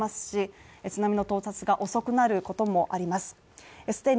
し津波の到達が遅くなることもあります